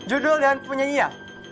judul dan penyanyi ya